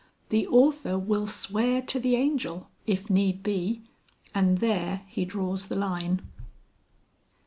The author will swear to the Angel, if need be; and there he draws the line.